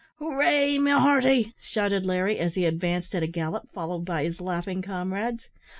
"Hooray, my hearty!" shouted Larry, as he advanced at a gallop, followed by his laughing comrades.